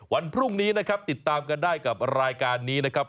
วันพรุ่งนี้นะครับติดตามกันได้กับรายการนี้นะครับ